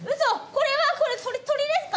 これはこれ鳥ですか？